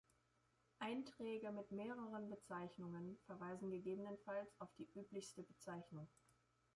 Einträge mit mehreren Bezeichnungen verweisen gegebenenfalls auf die üblichste Bezeichnung.